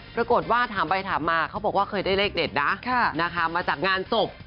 ปรากฏว่าถามไปถามมาเขาบอกว่าเคยได้เลขเด็ดนะมาจากงานศพ